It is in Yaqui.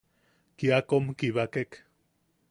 Kia kom kibakek.